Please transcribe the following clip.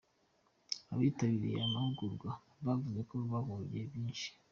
Abitabiriye aya mahugurwa bavuze ko bungukiyemo byinshi.